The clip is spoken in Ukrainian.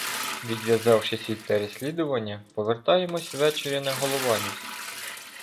Відв'язавшись від переслідування, повертаємо ввечері на Голованівськ.